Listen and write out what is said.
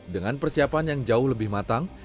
dengan persiapan yang jauh lebih matang